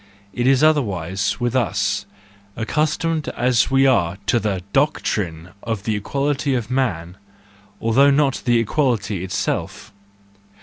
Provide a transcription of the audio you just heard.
It is otherwise with us, accustomed as we are to the doctrine of the equality of men, although not to the equality itself.